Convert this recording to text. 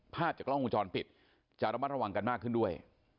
พลาดจากล้องกุญจรผิดจะระวังมากขึ้นด้วย